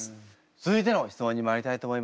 続いての質問にまいりたいと思います。